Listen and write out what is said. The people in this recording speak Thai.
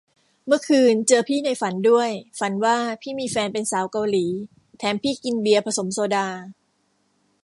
เมื่อคืนเจอพี่ในฝันด้วย ฝันว่าพี่มีแฟนเป็นสาวเกาหลี แถมพี่กินเบียร์ผสมโซดา